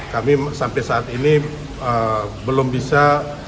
kami sampai saat ini belum bisa